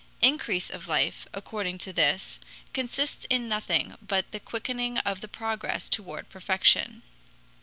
Increase of life, according to this, consists in nothing but the quickening of the progress toward perfection.